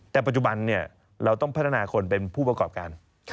แต่ปัจจุบันเราต้องพัฒนาคนเป็นผู้ประกอบการ